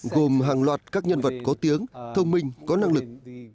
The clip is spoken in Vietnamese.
gồm hàng loạt các nhân vật có tiếng thông minh có năng lực